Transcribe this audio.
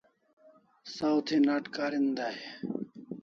Saw thi nat karin dai e?